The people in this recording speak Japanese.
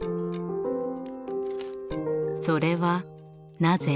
それはなぜ？